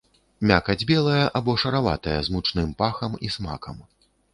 Мякаць белая або шараватая з мучным пахам і смакам.